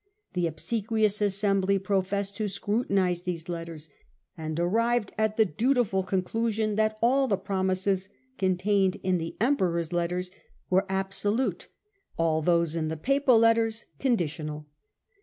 The obsequious assembly professed to scrutinise these letters and arrived at the dutiful conclusion that all the promises contained in the Emperor's letters were abso lute, all those in the Papal letters conditional.